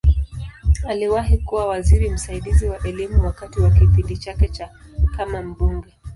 Aliwahi kuwa waziri msaidizi wa Elimu wakati wa kipindi chake kama mbunge.